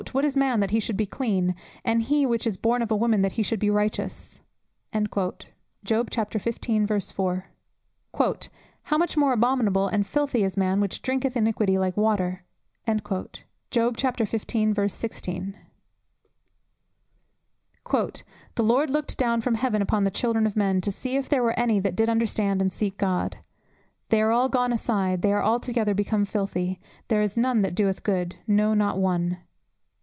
"What is man, that he should be clean? and he which is born of a woman, that he should be righteous." "How much more abominable and filthy is man, which drinketh iniquity like water?" "The Lord looked down from heaven upon the children of men, to see if there were any that did understand, and seek God. They are all gone aside; they are altogether become filthy: there is none that doeth good, no not one."